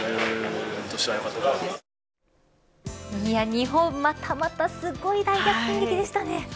日本またまたすごい大逆転劇でした。